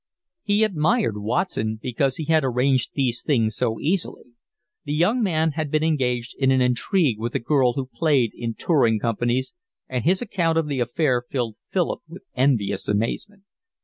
He admired Watson because he arranged these things so easily. The young man had been engaged in an intrigue with a girl who played in touring companies, and his account of the affair filled Philip with envious amazement.